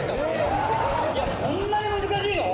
いやそんなに難しいの？